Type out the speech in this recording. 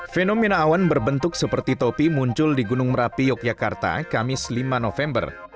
fenomena awan berbentuk seperti topi muncul di gunung merapi yogyakarta kamis lima november